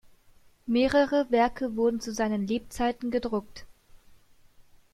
Mehrere Werke wurden zu seinen Lebzeiten gedruckt.